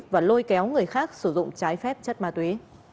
và lôi kéo người khác sử dụng trái phép chất ma túy